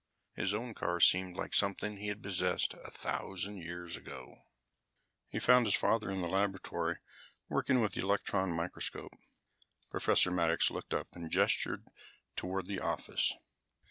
His own car seemed like something he had possessed a thousand years ago. He found his father in the laboratory working with the electron microscope. Professor Maddox looked up and gestured toward the office.